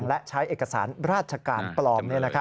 และใช้เอกสารราชการปลอม